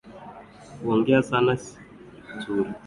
Kuongea sana si nzuri